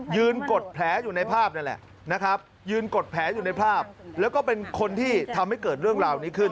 ยืนกดแผลอยู่ในภาพนั่นแหละแล้วก็เป็นคนที่ทำให้เกิดเรื่องราวนี้ขึ้น